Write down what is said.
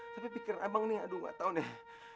tapi pikiran abang nih aduh gak tau nih